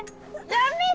やめてよ！